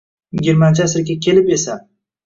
Yigirmanchi asrga kelib esa